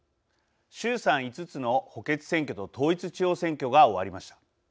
衆参５つの補欠選挙と統一地方選挙が終わりました。